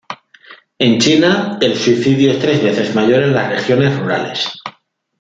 En China, el suicidio es tres veces mayor en las regiones rurales.